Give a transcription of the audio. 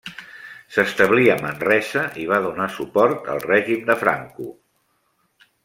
S'establí a Manresa i va donar suport al règim de Franco.